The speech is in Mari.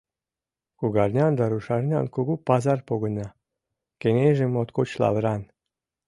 Кугарнян да рушарнян кугу пазар погына, кеҥежым моткоч лавыран.